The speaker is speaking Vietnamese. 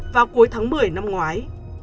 vào cuối tháng một mươi năm ngoái